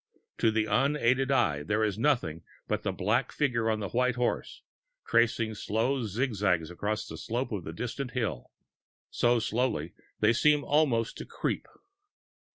To the unaided eye there is nothing but a black figure on a white horse, tracing slow zigzags against the slope of a distant hill so slowly they seem almost to creep.